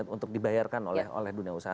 untuk dibayarkan oleh dunia usaha